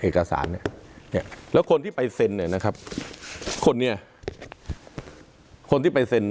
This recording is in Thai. เอกสารเนี่ยเนี่ยแล้วคนที่ไปเซ็นเนี่ยนะครับคนนี้คนที่ไปเซ็น